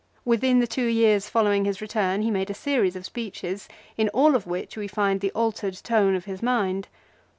Within the two years following his return he made a series of speeches, in all of which we find the altered tone of his mind.